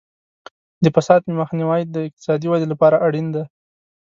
د فساد مخنیوی د اقتصادي ودې لپاره اړین دی.